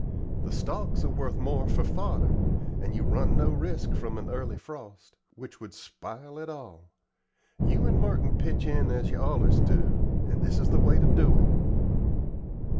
The stalks are worth more for fodder, and you run no risk from an early frost, which would spile it all. You and Merton pitch in as yer allers do, and this is the way ter do it."